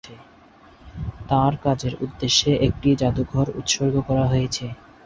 তার কাজের উদ্দেশ্যে একটি জাদুঘর উৎসর্গ করা হয়েছে।